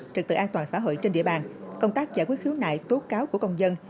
trực tự an toàn xã hội trên địa bàn công tác giải quyết khiếu nại tố cáo của công dân